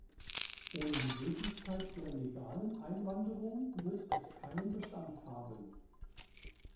Ohne die Möglichkeit der legalen Einwanderung wird es keinen Bestand haben.